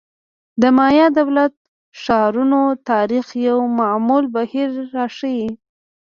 د مایا دولت-ښارونو تاریخ یو معمول بهیر راښيي.